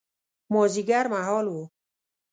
مازیګر مهال و.